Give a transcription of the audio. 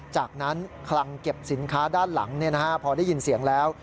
จากนั้นคลังเก็บสินค้าด้านหลังพอได้ยินเสียงแล้ว